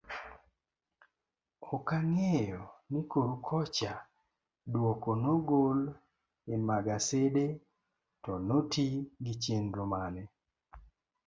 Okang'eyo ni koru kocha duoko nogol emagasede to noti gichenro mane.